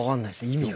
意味が。